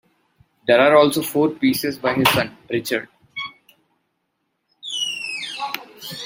There are also four pieces by his son, Richard.